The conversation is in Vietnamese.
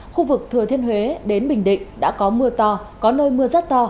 khu vực thừa thiên huế đến bình định đã có mưa to có nơi mưa rất to